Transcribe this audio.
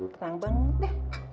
tenang banget deh